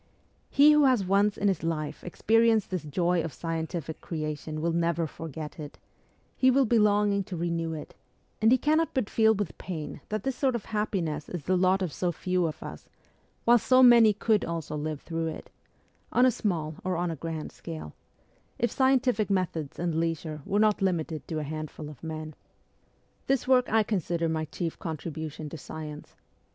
He who has once in his life experienced this joy of scientific creation will never forget it ; he will be longing to renew it ; and he cannot but feel with pain that this sort of happiness is the lot of so few of us, while so many could also live through it on a small or on a grand scale if scientific methods and leisure were not limited to a handful of men. This work I consider my chief contribution to science.